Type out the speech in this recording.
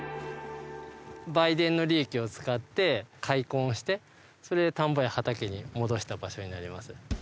売電の利益を使って開墾してそれで田んぼや畑に戻した場所になります。